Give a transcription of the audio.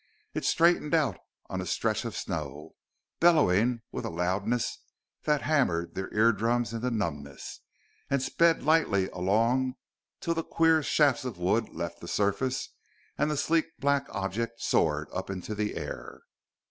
It straightened out on a stretch of snow, bellowing with a loudness that hammered their eardrums into numbness, and sped lightly along till the queer shafts of wood left the surface and the sleek black object soared up into the air.